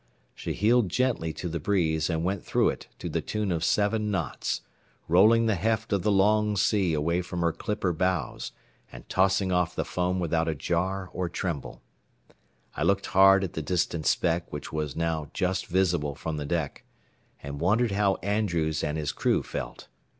She heeled gently to the breeze and went through it to the tune of seven knots, rolling the heft of the long sea away from her clipper bows and tossing off the foam without a jar or tremble. I looked hard at the distant speck which was now just visible from the deck, and wondered how Andrews and his crew felt.